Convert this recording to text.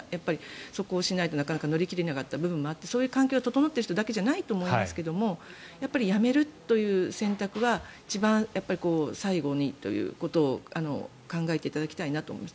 そこをしないと乗り切れなかった部分もあってそういう環境が整っている人ばかりじゃないと思いますがやっぱり辞めるという選択は一番最後にということを考えていただきたいなと思います。